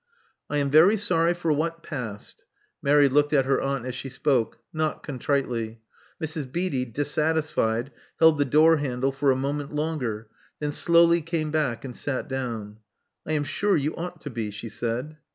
'*I am very sorry for what passed." Mary looked at her aunt as she spoke, not contritely. Mrs., Beatty, dissatisfied, held the door handle for a moment longer, then slowly came back and sat down. I am sure you ought to be," she said.